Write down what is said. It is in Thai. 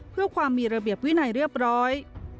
เพื่อความมีระเบียบวินัยเรียบร้อย